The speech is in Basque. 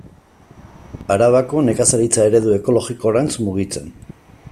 Arabako nekazaritza eredu ekologikorantz mugitzen.